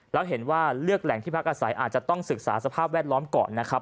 แล้วเห็นว่าเลือกแหล่งที่พักอาศัยอาจจะต้องศึกษาสภาพแวดล้อมก่อนนะครับ